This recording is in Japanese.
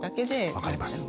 分かります。